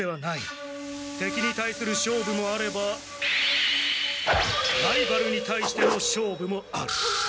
てきに対する勝負もあればライバルに対しての勝負もある。